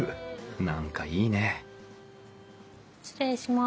何かいいね失礼します。